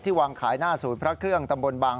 ที่วางขายหน้าสูญพระเครื่องตำบลบาง